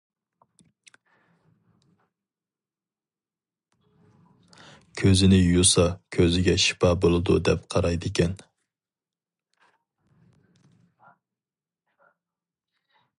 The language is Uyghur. كۆزىنى يۇسا كۆزىگە شىپا بولىدۇ دەپ قارايدىكەن.